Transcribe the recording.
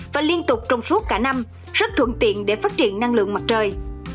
và liên tục trong suốt cả năm rất thuận tiện để phát triển năng lượng mặt trời